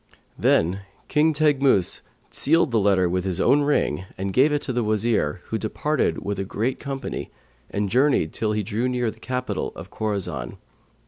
Then King Teghmus sealed the letter with his own ring and gave it to the Wazir, who departed with a great company and journeyed till he drew near the capital of Khorasan.